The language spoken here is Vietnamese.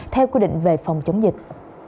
theo quy định về phòng chống dịch